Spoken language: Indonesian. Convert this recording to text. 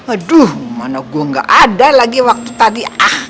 aduh mana gue gak ada lagi waktu tadi ah